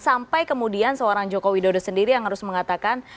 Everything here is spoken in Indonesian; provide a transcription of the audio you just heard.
sampai kemudian seorang jokowi dodo sendiri yang harus mengatakan